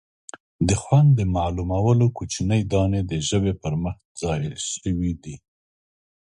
د خوند د معلومولو کوچنۍ دانې د ژبې پر مخ ځای شوي دي.